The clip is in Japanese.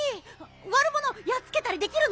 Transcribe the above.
わるものやっつけたりできるの？